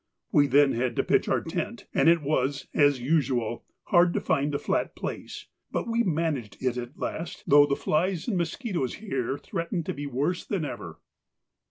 We then had to pitch our tent, and it was, as usual, hard to find a flat place, but we managed it at last, though the flies and mosquitoes here threatened to be worse than ever.